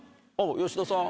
吉田さん。